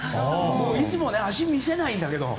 いつも足を見せないんだけど。